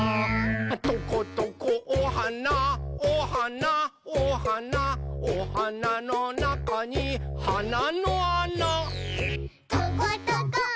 「トコトコおはなおはなおはなおはなのなかにはなのあな」「トコトコおくちおくち